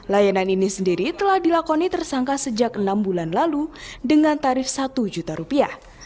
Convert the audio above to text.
layanan ini sendiri telah dilakoni tersangka sejak enam bulan lalu dengan tarif satu juta rupiah